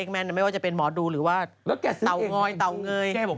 ไม่ว่าจะเป็นหมอดูหรือว่าเตา้อง้อยเตาเงย